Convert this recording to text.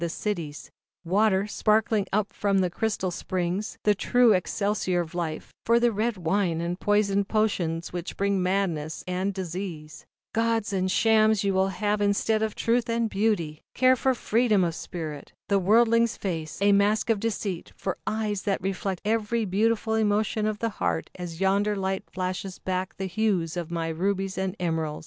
the cities; water, sparkling up from the crystal springs, the true elixir of life, for the red wine and poisoned potions which bring madness and disease; gauds and shams you will have instead of truth and beauty; care for freedom of spirit; the Worldling's face, a mask of deceit, for eyes L n L T i that renect every beautiful emotion of the heart as yonder light flashes back the hues of my rubies and emeralds.